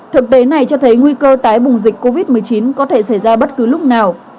thực tế này cho thấy nguy cơ tái bùng dịch covid một mươi chín có thể xảy ra bất cứ lúc nào